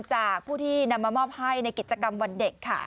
จากผู้ที่นำมามอบให้ในกิจกรรมวันเด็กค่ะ